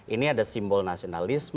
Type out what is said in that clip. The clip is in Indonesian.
ini ada simbol nasionalis